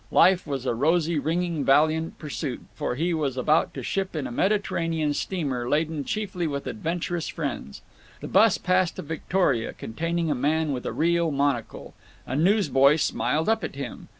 Life was a rosy ringing valiant pursuit, for he was about to ship on a Mediterranean steamer laden chiefly with adventurous friends. The bus passed a victoria containing a man with a real monocle. A newsboy smiled up at him.